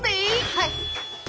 はい。